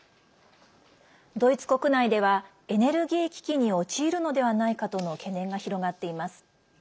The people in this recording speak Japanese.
ドイツ国内ではエネルギー危機に陥るのではないかとの懸念が広がっています。